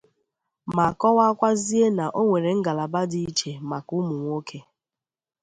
ma kọwakwazie na o nwere ngalaba dị iche maka ụmụnwoke